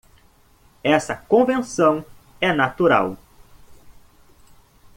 Essa convenção é natural.